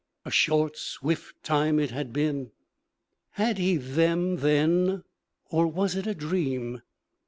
A short swift time it had been! Had he them then, or was it a dream?